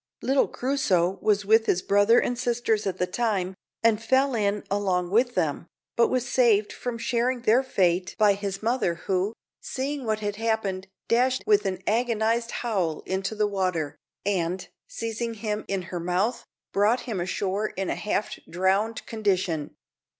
Little Crusoe was with his brother and sisters at the time, and fell in along with them, but was saved from sharing their fate by his mother, who, seeing what had happened, dashed with an agonized howl into the water, and, seizing him in her mouth, brought him ashore in a half drowned condition.